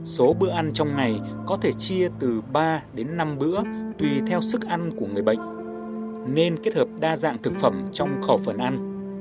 số bữa ăn trong ngày có thể chia từ ba đến năm bữa tùy theo sức ăn của người bệnh nên kết hợp đa dạng thực phẩm trong khẩu phần ăn